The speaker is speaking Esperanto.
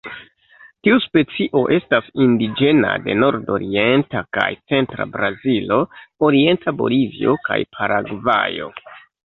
Tiu specio estas indiĝena de nordorienta kaj centra Brazilo, orienta Bolivio kaj Paragvajo.